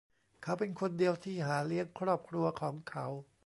เขาเป็นคนเดียวที่หาเลี้ยงครอบครัวของเขา